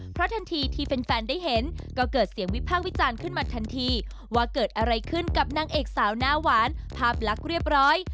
เพราะทันทีที่แฟนได้เห็นก็เกิดเสียงวิพากษ์วิจารณ์ขึ้นมาทันทีว่าเกิดอะไรขึ้นกับนางเอกสาวหน้าหวานภาพลักษณ์เรียบร้อย